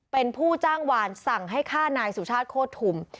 เป็นผู้จ้างวานสั่งให้ฆ่านายสุชาติโคตรทุม